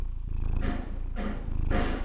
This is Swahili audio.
hutofautiana na huwa kati ya asilimia